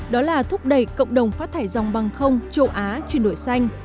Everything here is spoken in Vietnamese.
đó là thúc đẩy cộng đồng phát thải dòng bằng không châu á chuyển đổi xanh